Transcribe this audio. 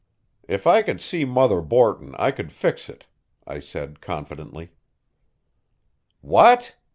"If I could see Mother Borton I could fix it," I said confidently. "What!